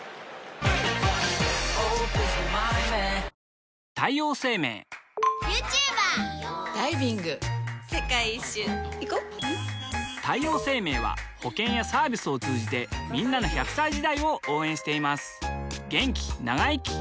女性 ２） 世界一周いこ太陽生命は保険やサービスを通じてんなの１００歳時代を応援しています